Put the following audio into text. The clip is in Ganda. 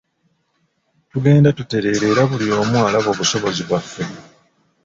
Tugenda tutereera era buli omu alaba obusobozi bwaffe.